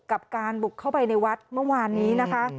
กับการบุกเข้าไปในวัดเมื่อวานนี้นะคะ